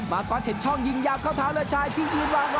มาทวัดเห็นช่องยิงยาวเข้าท้าเลอร์ชายที่อื่นหลัง